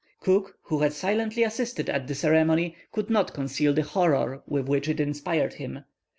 Cook, who had silently assisted at the ceremony, could not conceal the horror with which it inspired him.